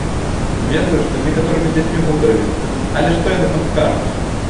Ведаю, што з некаторымі дзецьмі гутарылі, але што яны там скажуць?